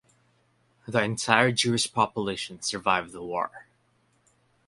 The entire Jewish population survived the war.